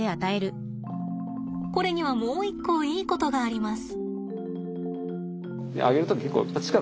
これにはもう一個いいことがあります。